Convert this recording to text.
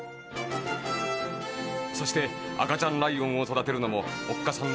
そしてあかちゃんライオンをそだてるのもおっかさん